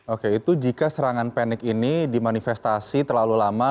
oke itu jika serangan panik ini dimanifestasi terlalu lama